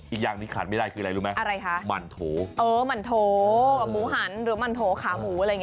อีกอย่างนี่ขายไม่ได้คืออะไรรู้ไหมอ่ะอะไรค่ะมันโถเออมันโถหันหรือมันโถขาหูอะไรแบบแบบนี้